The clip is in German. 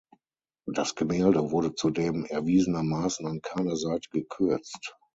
Das Gemälde wurde zudem erwiesenermaßen an keiner Seite gekürzt.